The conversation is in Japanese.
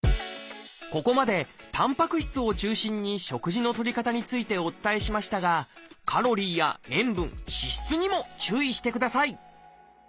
ここまでたんぱく質を中心に食事のとり方についてお伝えしましたがカロリーや塩分脂質にも注意してください！